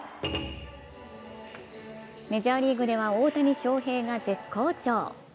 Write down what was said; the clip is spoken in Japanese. メジャーリーグでは大谷翔平が絶好調。